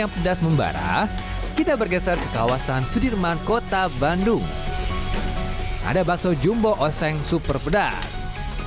yang pedas membarah kita bergeser ke kawasan sudirman kota bandung ada bakso jumbo oseng super pedas